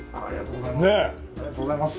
ありがとうございます！